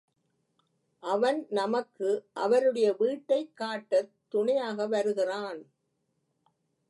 அவன் நமக்கு அவருடைய வீட்டைக் காட்டத் துணையாக வருகிறான்.